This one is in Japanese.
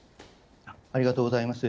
ありがとうございます。